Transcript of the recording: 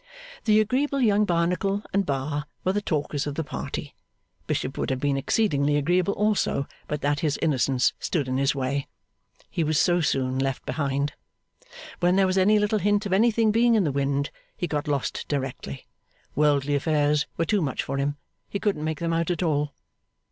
The agreeable young Barnacle, and Bar, were the talkers of the party. Bishop would have been exceedingly agreeable also, but that his innocence stood in his way. He was so soon left behind. When there was any little hint of anything being in the wind, he got lost directly. Worldly affairs were too much for him; he couldn't make them out at all.